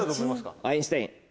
アインシュタイン。